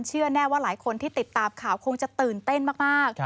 เชื่อแน่ว่าหลายคนที่ติดตามข่าวคงจะตื่นเต้นมาก